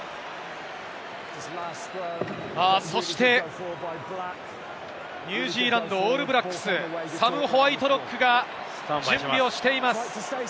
そしてニュージーランド・オールブラックス、サム・ホワイトロックが準備をしています。